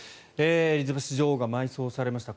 エリザベス女王が埋葬されました